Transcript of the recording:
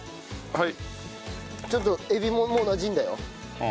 はい。